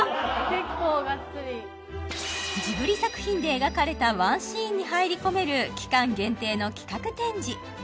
結構がっつりジブリ作品で描かれたワンシーンに入り込める期間限定の企画展示